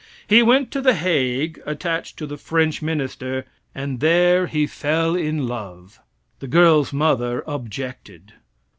He went to The Hague attached to the French minister, and there he fell in love. The girl's mother objected.